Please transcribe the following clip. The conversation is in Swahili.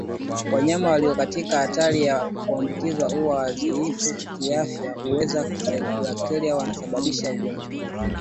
Wanyama walio katika hatari ya kuambukizwa au wadhaifu kiafya humeza bakteria wanaosababisha ugonjwa